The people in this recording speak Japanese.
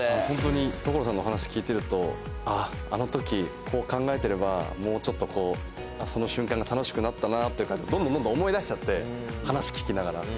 ホントに所さんのお話聞いてるとあっあの時こう考えてればもうちょっとこうその瞬間が楽しくなったなという感じでどんどんどんどん思い出しちゃって話聞きながら。